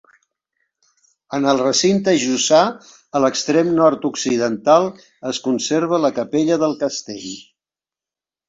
En el recinte jussà, a l'extrem nord-occidental, es conserva la capella del castell.